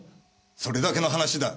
それだけの話だ。